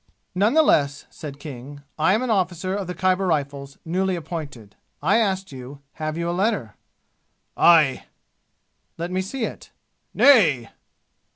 "None the less," said King, "I am an officer of the Khyber Rifles, newly appointed. I asked you, have you a letter?" "Aye!" "Let me see it." "Nay!"